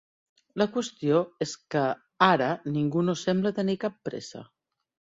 La qüestió és que ara ningú no sembla tenir cap pressa.